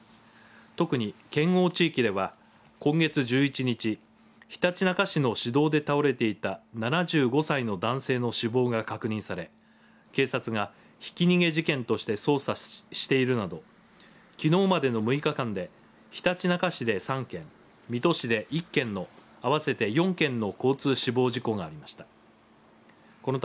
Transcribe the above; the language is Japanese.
特に県央地域では今月１１日ひたちなか市の市道で倒れていた７５歳の男性の死亡が確認され警察がひき逃げ事件として捜査しているなどきのうまでの６日間でひたちなか市で３件水戸市で１件の合わせて４県の交通死亡事故がありました。